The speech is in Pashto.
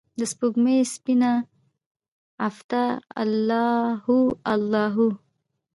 دسپوږمۍ سپینه عفته الله هو، الله هو